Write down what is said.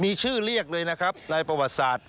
มีชื่อเรียกเลยนะครับในประวัติศาสตร์